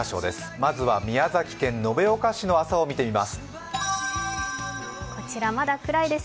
まずは宮崎県延岡市の朝を見てみます。